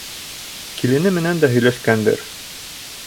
Килене менән дә һөйләшкәндер.